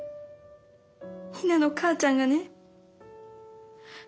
雛の母ちゃんがね